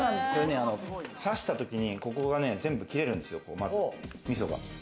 刺したときにここがね、全部切れるんですよ、みそが。